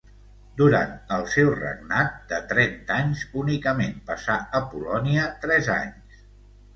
Durant el seu regnat, de trenta anys, únicament passà a Polònia tres anys.